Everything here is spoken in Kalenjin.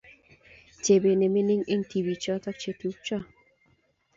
Chebet nemining eng tibiichoto chetupcho